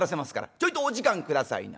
ちょいとお時間下さいな」。